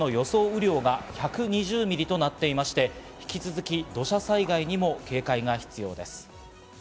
雨量が１２０ミリとなっていまして、引き続き土砂災害にも警戒が必要です。